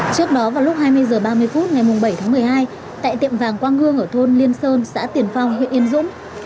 trước đó vào lúc hai mươi h ba mươi phút ngày bảy tháng một mươi hai tại tiệm vàng quang gương ở thôn liên sơn xã tiền phong huyện yên dũng